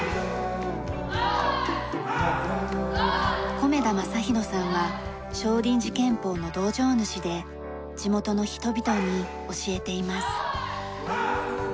米田正寛さんは少林寺拳法の道場主で地元の人々に教えています。